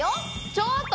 ちょっと！